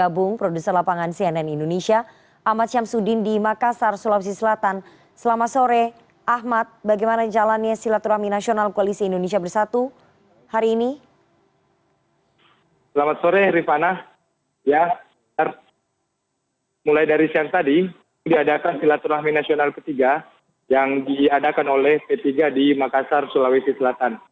mulai dari siang tadi diadakan silaturahmi nasional ketiga yang diadakan oleh p tiga di makassar sulawesi selatan